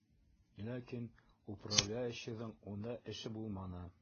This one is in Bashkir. Ләкин управляющийҙың унда эше булманы.